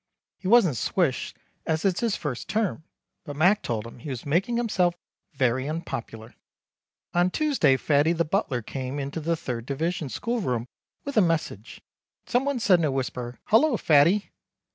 He wasn't swished as its his first term: but Mac told him he was making himself very unpopular. On Tuesday Fatty the butler came into the 3rd Div scoolroom with a message. Some one said in a wisper Hullo Fatty.